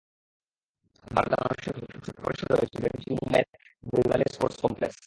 বাগদান অনুষ্ঠানটা অবশ্য ছোট পরিসরে হয়েছে, ভেন্যু ছিল মুম্বাইয়ের বরিভালি স্পোর্টস কমপ্লেক্স।